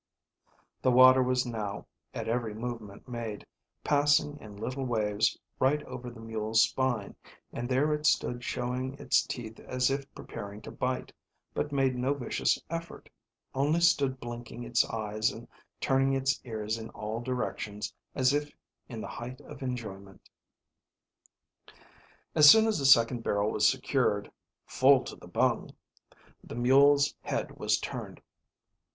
The water was now, at every movement made, passing in little waves right over the mule's spine, and there it stood showing its teeth as if preparing to bite, but made no vicious effort, only stood blinking its eyes and turning its ears in all directions as if in the height of enjoyment. As soon as the second barrel was secured, "full to the bung," the mule's head was turned.